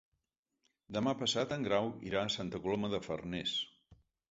Demà passat en Grau irà a Santa Coloma de Farners.